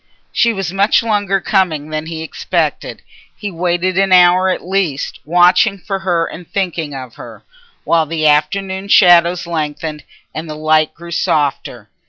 She was much longer coming than he expected. He waited an hour at least watching for her and thinking of her, while the afternoon shadows lengthened and the light grew softer.